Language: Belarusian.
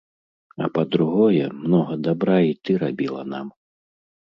А па-другое, многа дабра і ты рабіла нам.